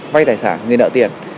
vay tài sản người nợ tiền